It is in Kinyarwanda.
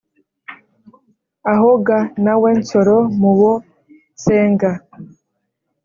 aho ga nawe nsoro mu bo nsenga